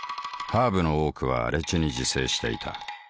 ハーブの多くは荒地に自生していた。